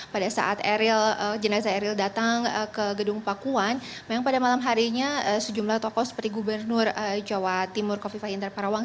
pada saat jenazah eril datang ke gedung pakuan memang pada malam harinya sejumlah tokoh seperti gubernur jawa timur kofifa interparawang